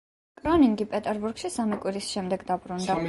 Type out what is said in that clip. კნორინგი პეტერბურგში სამი კვირის შემდეგ დაბრუნდა.